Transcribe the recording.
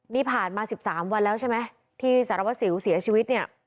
นี่ผ่านมา๑๓วันแล้วใช่ไหมที่สารวัสสิวเสียชีวิตเนี่ย